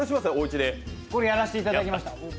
やらせていただきました。